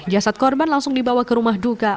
jasad korban langsung dibawa ke rumah duka